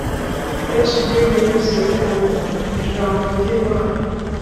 Hb binyuze ku ijambo ry Imana